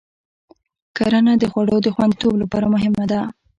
کرنه د خوړو د خوندیتوب لپاره مهمه ده.